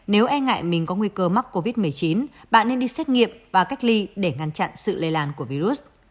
nếu e ngại mình có nguy cơ mắc covid một mươi chín bạn nên đi xét nghiệm và cách ly để ngăn chặn sự lây lan của virus